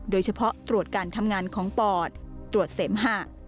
โดยเฉพาะตรวจการทำงานของปอดตรวจเสมหะ